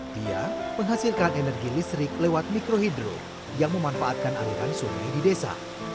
dia menghasilkan energi listrik lewat mikrohidro yang memanfaatkan aliran sungai di desa